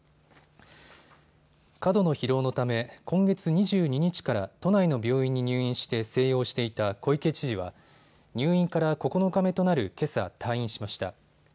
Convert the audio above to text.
過度の疲労のため今月２２日から都内の病院に入院して静養していた小池知事は入院から９日目となるけさ、退院しました。